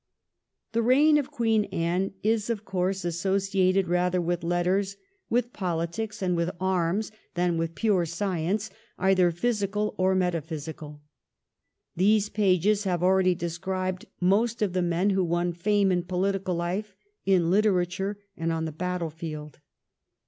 The reign of Queen Anne is of course associated 1702 14 DR. JOHN ARBUTfiNOT. 301 rather with letters, with politics, and with arms, than with pure science, either physical or metaphysical. These pages have already described most of the men who won fame in pohtical life, in literature, and on the battlefield.